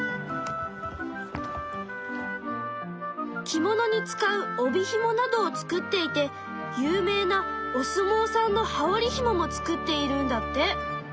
着物に使う帯ひもなどを作っていて有名なおすもうさんの羽織ひもも作っているんだって。